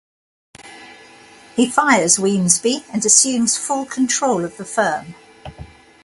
He fires Weemsby and assumes full control of the firm.